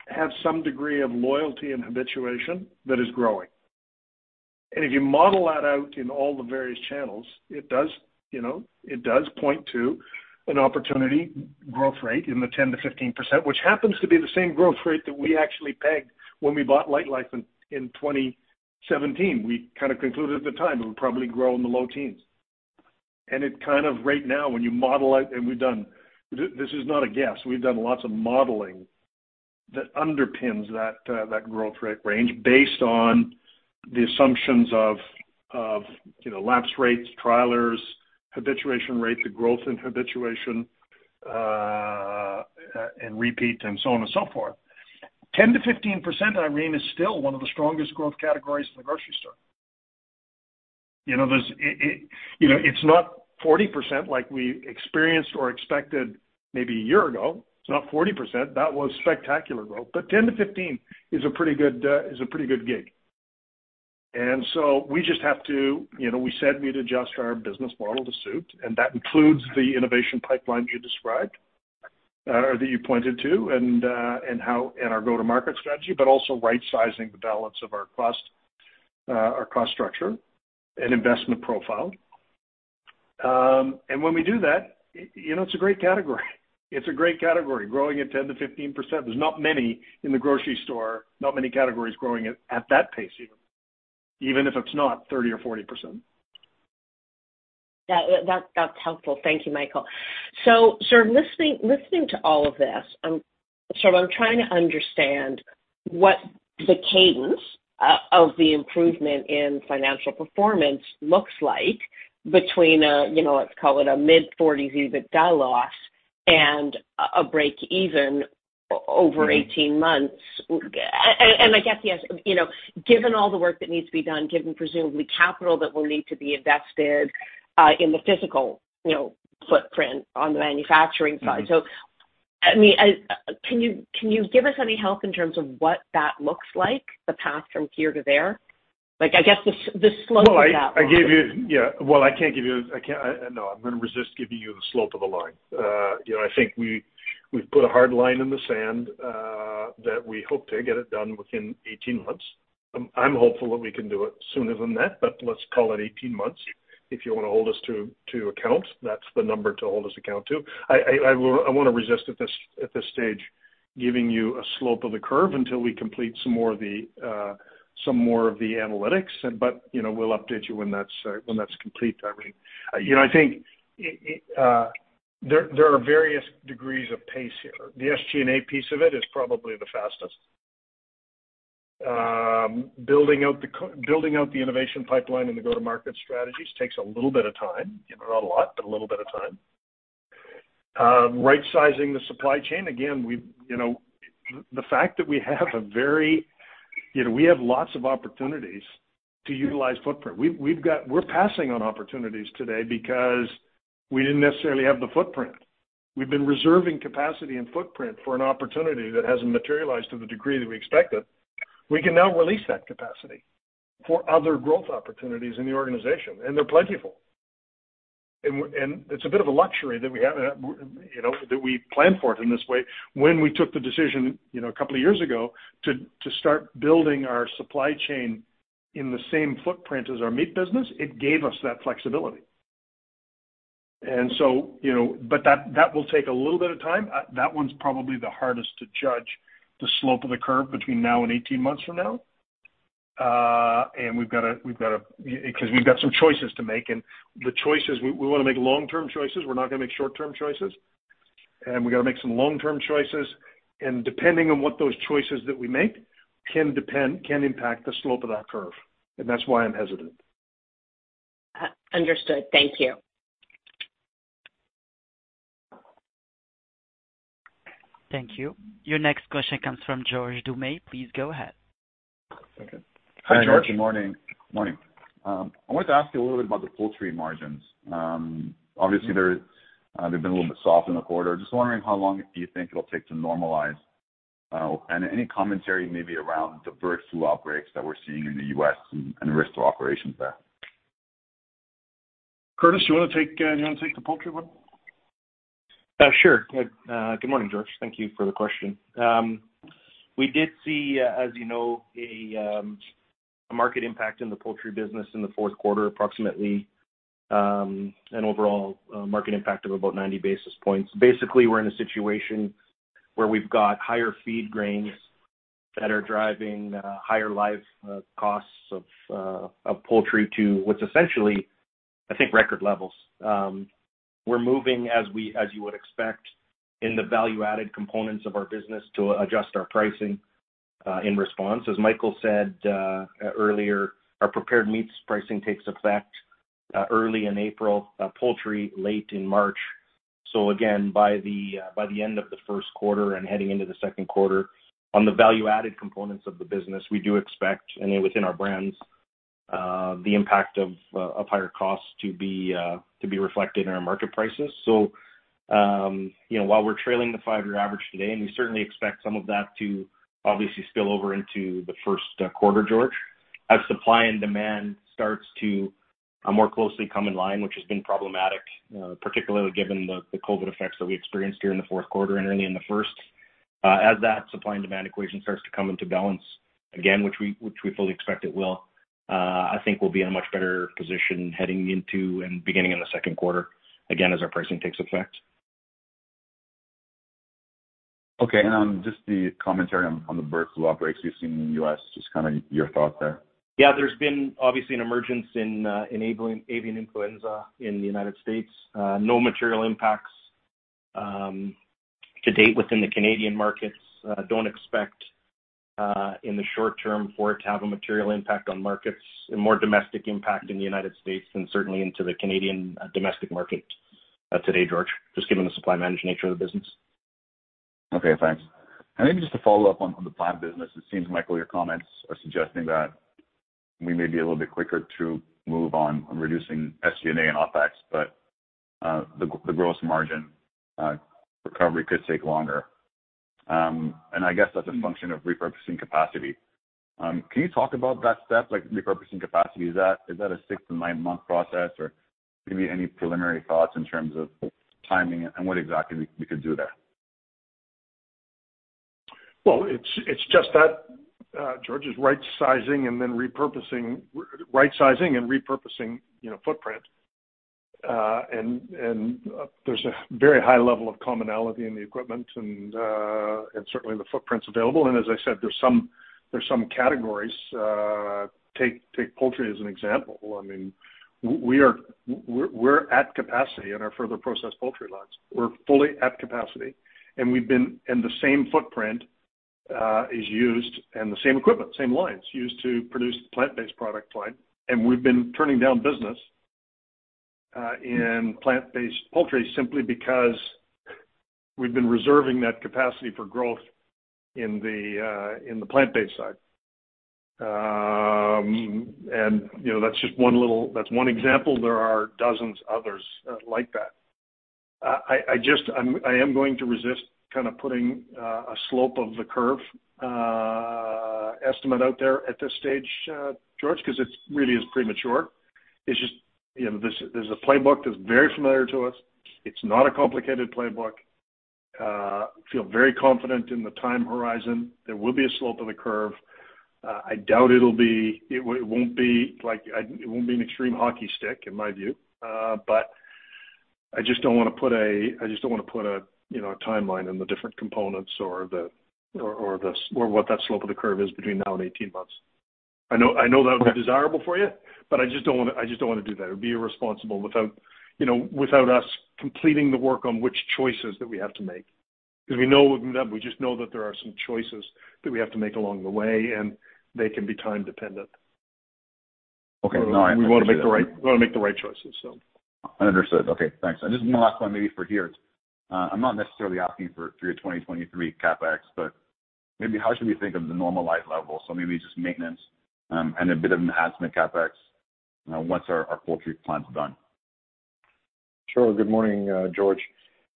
have some degree of loyalty and habituation that is growing. If you model that out in all the various channels, it does, you know, it does point to an opportunity growth rate in the 10%-15%, which happens to be the same growth rate that we actually pegged when we bought Lightlife in 2017. We kind of concluded at the time it would probably grow in the low teens. It kind of, right now, when you model out and we've done. This is not a guess. We've done lots of modeling that underpins that growth rate range based on the assumptions of you know, lapse rates, trialers, habituation rates, the growth in habituation, and repeat and so on and so forth. 10%-15%, Irene, is still one of the strongest growth categories in the grocery store. You know, it's not 40% like we experienced or expected maybe a year ago. It's not 40%. That was spectacular growth. 10%-15% is a pretty good gig. We just have to, you know, we said we'd adjust our business model to suit, and that includes the innovation pipeline you described, or that you pointed to, and our go-to-market strategy, but also right-sizing the balance of our cost structure and investment profile. When we do that, you know, it's a great category. It's a great category, growing at 10%-15%. There's not many in the grocery store, not many categories growing at that pace even if it's not 30% or 40%. Yeah, that's helpful. Thank you, Michael. Sort of listening to all of this, I'm trying to understand what the cadence of the improvement in financial performance looks like between a, you know, let's call it a mid-forties EBITDA loss and a break even over 18 months. I guess, yes, you know, given all the work that needs to be done, given presumably capital that will need to be invested in the physical, you know, footprint on the manufacturing side. I mean, can you give us any help in terms of what that looks like, the path from here to there? Like, I guess the slope of that line. No, I gave you. Yeah. Well, I can't give you. No, I'm gonna resist giving you the slope of the line. You know, I think we've put a hard line in the sand that we hope to get it done within 18 months. I'm hopeful that we can do it sooner than that, but let's call it 18 months. If you wanna hold us to account, that's the number to hold us to account. I wanna resist at this stage giving you a slope of the curve until we complete some more of the analytics. You know, we'll update you when that's complete, Irene. You know, I think there are various degrees of pace here. The SG&A piece of it is probably the fastest. Building out the innovation pipeline and the go-to-market strategies takes a little bit of time, you know, not a lot, but a little bit of time. Right-sizing the supply chain, again, you know, the fact that we have lots of opportunities to utilize footprint. We're passing on opportunities today because we didn't necessarily have the footprint. We've been reserving capacity and footprint for an opportunity that hasn't materialized to the degree that we expected. We can now release that capacity for other growth opportunities in the organization, and they're plentiful. It's a bit of a luxury that we have, you know, that we plan for it in this way. When we took the decision, you know, a couple of years ago to start building our supply chain in the same footprint as our meat business, it gave us that flexibility. You know, that will take a little bit of time. That one's probably the hardest to judge the slope of the curve between now and 18 months from now. Because we've got some choices to make. The choices, we wanna make long-term choices. We're not gonna make short-term choices. We gotta make some long-term choices. Depending on what those choices that we make can impact the slope of that curve. That's why I'm hesitant. Understood. Thank you. Thank you. Your next question comes from George Doumet. Please go ahead. Okay. Hi, George. Good morning. Morning. I wanted to ask you a little bit about the poultry margins. Obviously, they're, they've been a little bit soft in the quarter. Just wondering how long do you think it'll take to normalize? Any commentary maybe around the bird flu outbreaks that we're seeing in the U.S. and risk to operations there? Curtis, you wanna take the poultry one? Sure. Good morning, George. Thank you for the question. We did see, as you know, a market impact in the poultry business in the fourth quarter, approximately, an overall market impact of about 90 basis points. Basically, we're in a situation where we've got higher feed grains that are driving higher live costs of poultry to what's essentially, I think, record levels. We're moving as you would expect in the value-added components of our business to adjust our pricing in response. As Michael said earlier, our prepared meats pricing takes effect early in April, our poultry late in March. Again, by the end of the first quarter and heading into the second quarter on the value-added components of the business, we do expect, and within our brands, the impact of higher costs to be reflected in our market prices. You know, while we're trailing the five-year average today, and we certainly expect some of that to obviously spill over into the first quarter, George, as supply and demand starts to more closely come in line, which has been problematic, particularly given the COVID effects that we experienced here in the fourth quarter and early in the first. As that supply and demand equation starts to come into balance again, which we fully expect it will, I think we'll be in a much better position heading into and beginning in the second quarter, again, as our pricing takes effect. Okay. Just the commentary on the bird flu outbreaks we've seen in the U.S., just kind of your thoughts there? Yeah. There's been obviously an emergence of avian influenza in the United States. No material impacts to date within the Canadian markets. Don't expect in the short term for it to have a material impact on markets. A more domestic impact in the United States than certainly into the Canadian domestic market today, George, just given the supply-managed nature of the business. Okay. Thanks. Maybe just to follow up on the plant business, it seems, Michael, your comments are suggesting that we may be a little bit quicker to move on reducing SG&A and OpEx, but the gross margin recovery could take longer. I guess that's a function of repurposing capacity. Can you talk about that step, like, repurposing capacity? Is that a 6-9-month process? Or maybe any preliminary thoughts in terms of timing and what exactly we could do there? It's just that George is right sizing and then repurposing footprint, you know. There's a very high level of commonality in the equipment and certainly the footprints available. As I said, there are some categories. Take poultry as an example. I mean, we're at capacity in our further processed poultry lines. We're fully at capacity, and we've been using the same footprint, the same equipment, same lines used to produce the plant-based product line. We've been turning down business in plant-based poultry simply because we've been reserving that capacity for growth in the plant-based side. You know, that's just one example. There are dozens of others like that. I am going to resist kind of putting a slope of the curve estimate out there at this stage, George, 'cause it's really premature. It's just, you know, there's a playbook that's very familiar to us. It's not a complicated playbook. I feel very confident in the time horizon, there will be a slope of the curve. I doubt it won't be an extreme hockey stick in my view. But I just don't wanna put a, you know, a timeline on the different components or what that slope of the curve is between now and 18 months. I know that would be desirable for you, but I just don't wanna do that. It'd be irresponsible without, you know, without us completing the work on which choices that we have to make. 'Cause we know with them, we just know that there are some choices that we have to make along the way, and they can be time dependent. Okay. No, I appreciate that. We wanna make the right choices, so. Understood. Okay, thanks. Just one last one maybe for Geert. I'm not necessarily asking for through to 2023 CapEx, but maybe how should we think of the normalized level? Maybe just maintenance, and a bit of an estimate CapEx, once our poultry plant's done. Sure. Good morning, George.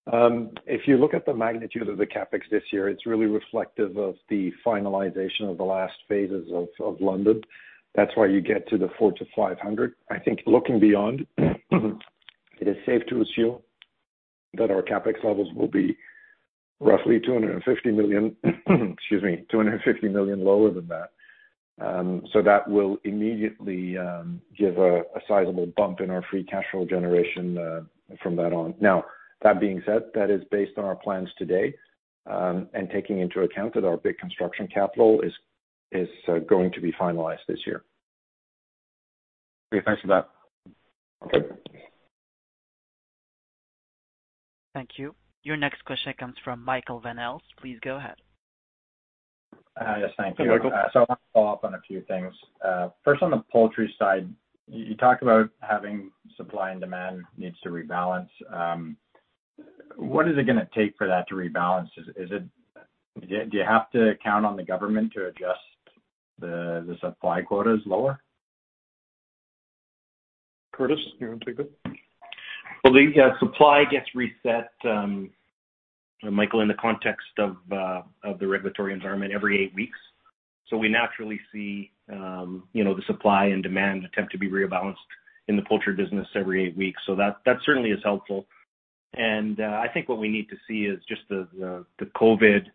If you look at the magnitude of the CapEx this year, it's really reflective of the finalization of the last phases of London. That's why you get to the $400 million-$500 million. I think looking beyond, it is safe to assume that our CapEx levels will be roughly $250 million lower than that. That will immediately give a sizable bump in our free cash flow generation from then on. Now, that being said, that is based on our plans today, and taking into account that our big Construction Capital is going to be finalized this year. Great. Thanks for that. Okay. Thank you. Your next question comes from Michael Van Aelst. Please go ahead. Yes, thank you. Hey, Michael. I want to follow up on a few things. First on the poultry side, you talked about having supply and demand needs to rebalance. What is it gonna take for that to rebalance? Do you have to count on the government to adjust the supply quotas lower? Curtis, you want to take this? Well, the supply gets reset, Michael, in the context of the regulatory environment every eight weeks. We naturally see, you know, the supply and demand attempt to be rebalanced in the poultry business every eight weeks. That certainly is helpful. I think what we need to see is just the COVID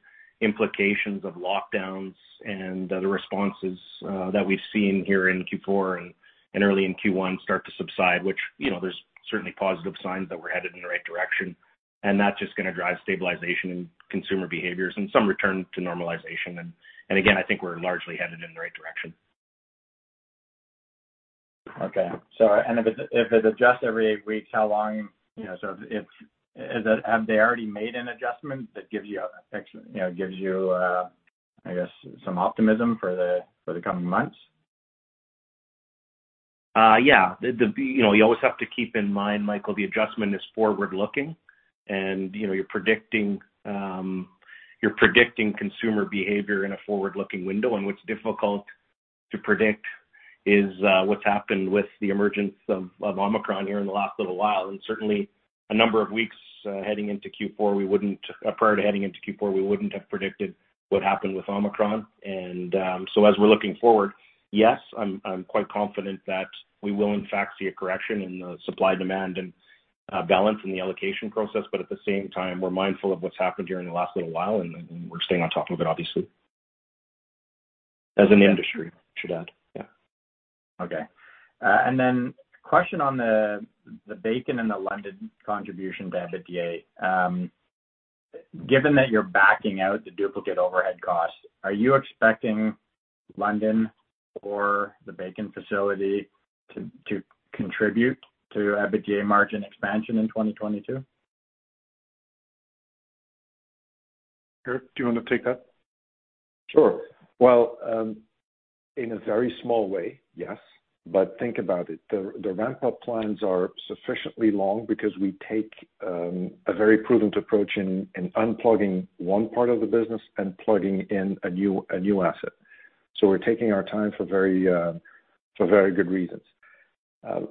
implications of lockdowns and the responses that we've seen here in Q4 and early in Q1 start to subside, which, you know, there's certainly positive signs that we're headed in the right direction. That's just gonna drive stabilization in consumer behaviors and some return to normalization. Again, I think we're largely headed in the right direction. If it adjusts every eight weeks, how long, you know? Have they already made an adjustment that gives you know, I guess some optimism for the coming months? Yeah. You know, you always have to keep in mind, Michael, the adjustment is forward-looking, and you know, you're predicting consumer behavior in a forward-looking window. What's difficult to predict is what's happened with the emergence of Omicron here in the last little while. Certainly a number of weeks prior to heading into Q4, we wouldn't have predicted what happened with Omicron. So as we're looking forward, yes, I'm quite confident that we will in fact see a correction in the supply-demand and balance in the allocation process. But at the same time, we're mindful of what's happened during the last little while, and we're staying on top of it, obviously. As an industry, I should add. Yeah. Okay. Question on the bacon and the London contribution to EBITDA. Given that you're backing out the duplicate overhead costs, are you expecting London or the bacon facility to contribute to EBITDA margin expansion in 2022? Geert, do you wanna take that? Sure. Well, in a very small way, yes. Think about it. The ramp-up plans are sufficiently long because we take a very prudent approach in unplugging one part of the business and plugging in a new asset. We're taking our time for very good reasons.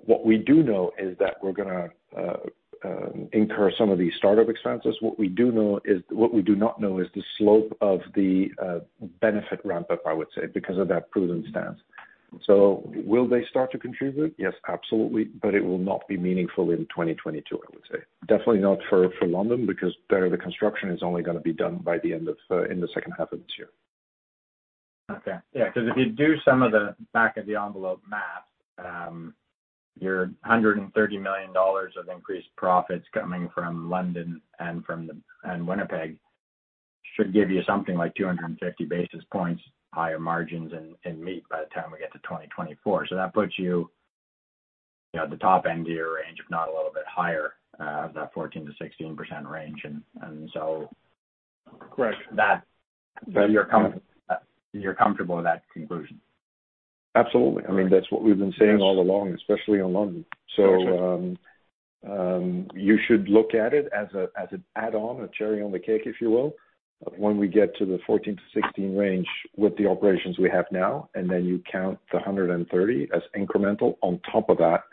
What we do know is that we're gonna incur some of these startup expenses. What we do not know is the slope of the benefit ramp-up, I would say, because of that prudent stance. Will they start to contribute? Yes, absolutely. It will not be meaningful in 2022, I would say. Definitely not for London, because there the construction is only gonna be done by the end of in the second half of this year. Okay. Yeah, 'cause if you do some of the back of the envelope math, your $130 million of increased profits coming from London and from the and Winnipeg should give you something like 250 basis points higher margins in meat by the time we get to 2024. That puts you know, at the top end of your range, if not a little bit higher, of that 14%-16% range- Correct -that you're comfortable with that conclusion? Absolutely. I mean, that's what we've been saying all along, especially on London. You should look at it as an add-on, a cherry on the cake, if you will, of when we get to the 14-16 range with the operations we have now, and then you count the 130 as incremental on top of that,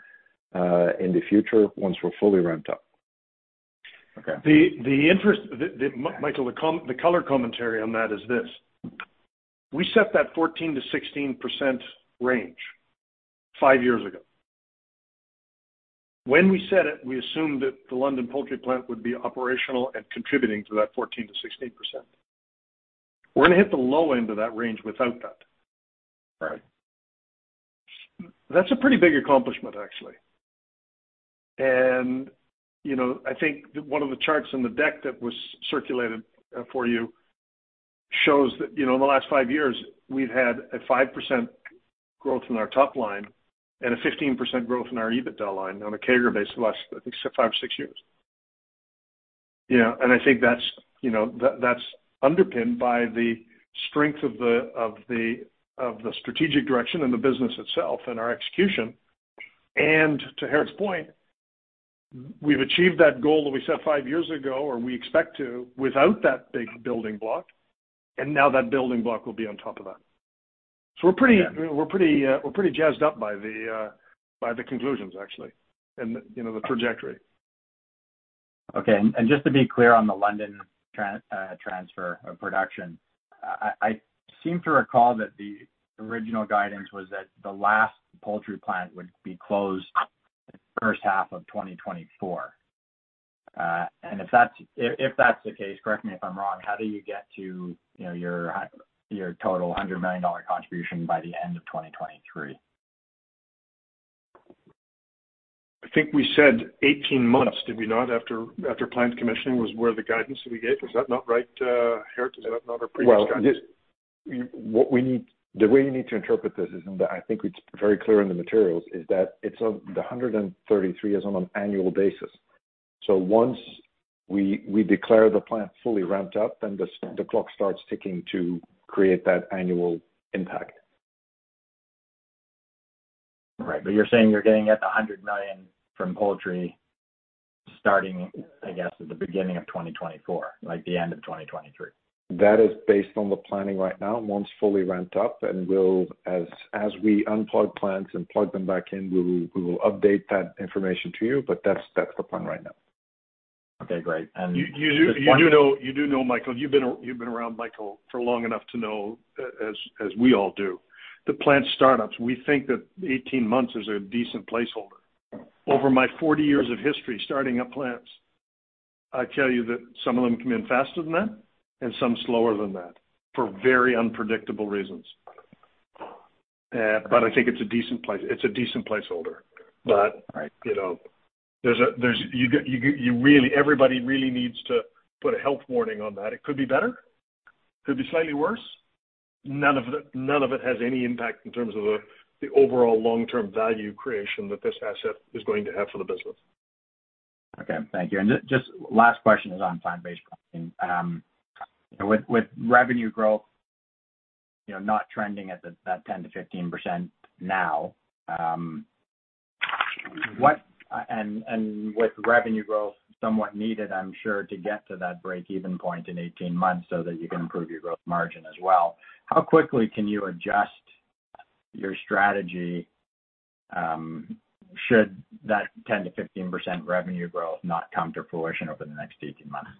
in the future once we're fully ramped up. Okay. Michael, the color commentary on that is this: We set that 14%-16% range five years ago. When we set it, we assumed that the London poultry plant would be operational and contributing to that 14%-16%. We're gonna hit the low end of that range without that. Right. That's a pretty big accomplishment, actually. You know, I think one of the charts in the deck that was circulated for you shows that, you know, in the last five years, we've had a 5% growth in our top line and a 15% growth in our EBITDA line on a CAGR basis the last, I think, five, six years. You know, I think that's, you know, that's underpinned by the strength of the strategic direction and the business itself and our execution. To Geert's point, we've achieved that goal that we set five years ago, or we expect to, without that big building block, and now that building block will be on top of that. We're pretty jazzed up by the conclusions, actually, and, you know, the trajectory. Okay. Just to be clear on the London transfer of production, I seem to recall that the original guidance was that the last poultry plant would be closed first half of 2024. If that's the case, correct me if I'm wrong, how do you get to your total $100 million contribution by the end of 2023? I think we said 18 months, did we not? After plant commissioning was where the guidance that we gave. Was that not right, Geert? Is that not our previous guidance? Well, the way you need to interpret this is, and I think it's very clear in the materials, is that the $133 is on an annual basis. Once we declare the plant fully ramped up, then the clock starts ticking to create that annual impact. Right. You're saying you're getting at $100 million from poultry starting, I guess, at the beginning of 2024, like the end of 2023. That is based on the planning right now, once fully ramped up. We'll, as we unplug plants and plug them back in, we will update that information to you, but that's the plan right now. Okay, great. Just one- You do know Michael, you've been around, Michael, for long enough to know, as we all do, the plant startups. We think that 18 months is a decent placeholder. Over my 40 years of history starting up plants, I tell you that some of them come in faster than that and some slower than that for very unpredictable reasons. Yeah, but I think it's a decent placeholder. Right. You know, everybody really needs to put a health warning on that. It could be better, could be slightly worse. None of it has any impact in terms of the overall long-term value creation that this asset is going to have for the business. Okay, thank you. Just last question is on plant-based protein. With revenue growth, you know, not trending at that 10%-15% now, and with revenue growth somewhat needed, I'm sure, to get to that break-even point in 18 months so that you can improve your gross margin as well. How quickly can you adjust your strategy, should that 10%-15% revenue growth not come to fruition over the next 18 months?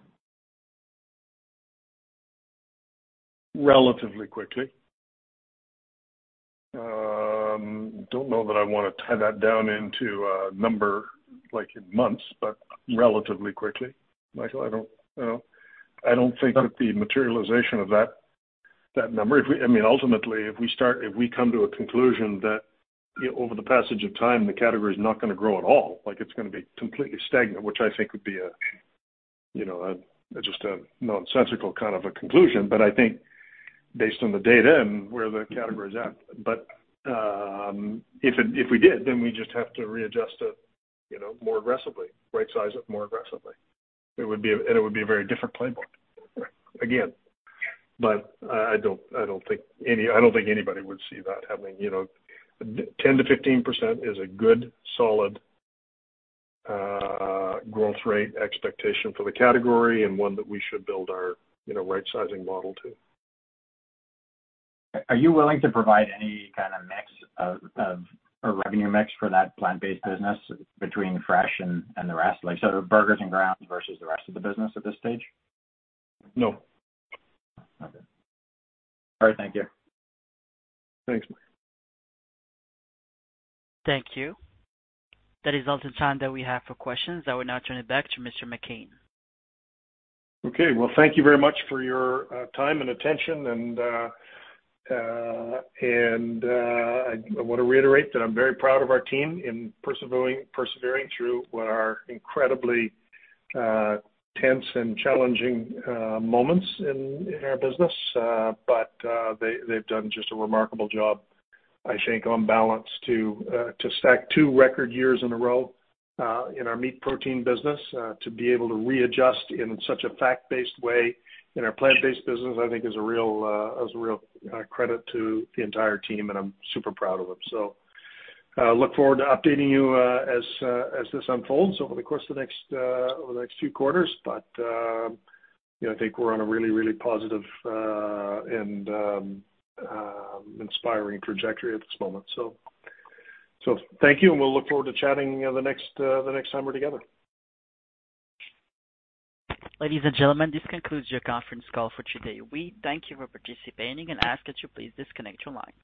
Relatively quickly. I don't know that I wanna tie that down into a number like in months, but relatively quickly, Michael. I don't, you know, I don't think that the materialization of that number. I mean, ultimately, if we start, if we come to a conclusion that over the passage of time, the category is not gonna grow at all, like it's gonna be completely stagnant, which I think would be a, you know, just a nonsensical kind of a conclusion. But I think based on the data and where the category is at. If we did, then we just have to readjust it, you know, more aggressively, rightsize it more aggressively. It would be a very different playbook. Again, I don't think anybody would see that happening. You know, 10%-15% is a good, solid growth rate expectation for the category and one that we should build our, you know, rightsizing model to. Are you willing to provide any kind of mix of or revenue mix for that plant-based business between fresh and the rest? Like, so burgers and grounds versus the rest of the business at this stage? No. Okay. All right, thank you. Thanks, Mike. Thank you. That is all the time that we have for questions. I will now turn it back to Mr. McCain. Okay. Well, thank you very much for your time and attention. I wanna reiterate that I'm very proud of our team in persevering through what are incredibly tense and challenging moments in our business. They've done just a remarkable job, I think, on balance to stack two record years in a row in our meat protein business. To be able to readjust in such a fact-based way in our plant-based business, I think is a real credit to the entire team, and I'm super proud of them. I look forward to updating you as this unfolds over the course of the next few quarters. You know, I think we're on a really positive and inspiring trajectory at this moment. Thank you, and we'll look forward to chatting, you know, the next time we're together. Ladies and gentlemen, this concludes your conference call for today. We thank you for participating and ask that you please disconnect your line.